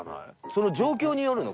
その状況によるの？